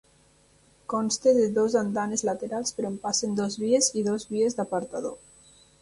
Consta de dues andanes laterals per on passen dues vies i dues vies d'apartador.